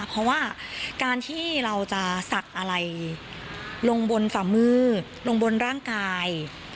เพราะว่าการที่เราจะศักดิ์อะไรลงบนฝ่ามือลงบนร่างกาย